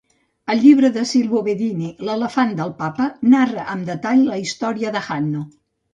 El llibre de Silvio Bedini, "L'elefant del Papa" narra amb detall la història de Hanno.